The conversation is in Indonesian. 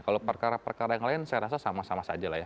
kalau perkara perkara yang lain saya rasa sama sama saja lah ya